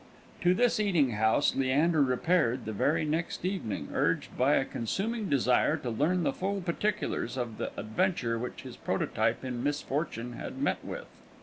To this eating house Leander repaired the very next evening, urged by a consuming desire to learn the full particulars of the adventure which his prototype in misfortune had met with.